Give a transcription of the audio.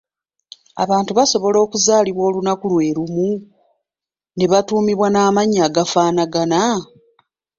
Abantu basobola okuzaalibwa olunaku lwe lumu ne batuumibwa n'amannya agafaanagana?